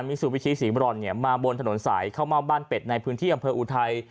มีสู่วิชีศรีบรรณเนี่ยมาบนถนนสายเข้ามาบ้านเป็ดในพื้นที่อำเภออูทัย